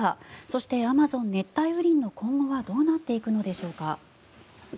そしてアマゾン熱帯雨林の今後はどうなっていくんでしょうか。